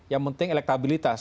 yang penting elektabilitas